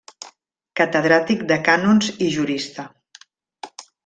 Catedràtic de cànons i jurista.